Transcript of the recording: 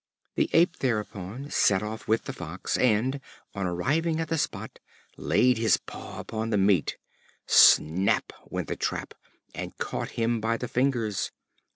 The Ape thereupon set off with the Fox, and, on arriving at the spot, laid his paw upon the meat. Snap! went the trap, and caught him by the fingers.